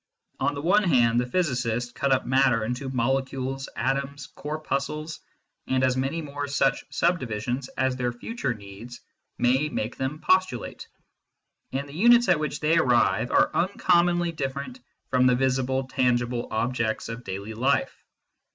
On the one hand the physicists cut up matter into molecules, atoms, corpuscles, and as many more such subdivisions as their future needs may make them postulate, and the units at which they arrive are un commonly different from the visible, tangible objects of daily life.